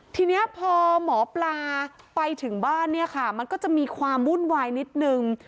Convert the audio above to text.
ทีนี้พอหมอปลาไปถึงบ้านเนี่ยค่ะมันก็จะมีความวุ่นวายนิดนึง